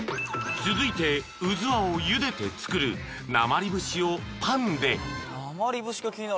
［続いてうずわをゆでて作るなまりぶしをパンで］